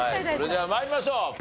それでは参りましょう。